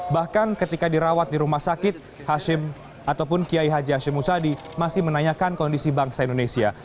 bahkan ketika dirawat di rumah sakit hashim ataupun kiai haji hashim musadi masih menanyakan kondisi bangsa indonesia